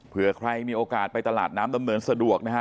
เพื่อใครมีโอกาสไปตลาดน้ำดำเนินสะดวกนะฮะ